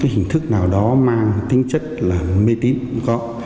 hình thức nào đó mang tính chất là mê tín cũng có